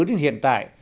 đến hiện tại